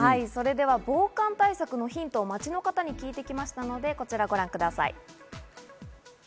防寒対策のヒントを街の方に聞いてきましたので、ご覧ください。